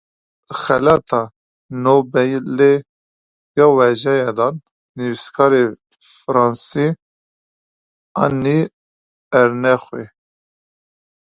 Xelata Nobelê ya Wêjeyê dan nivîskara Fransî Annie Ernauxê.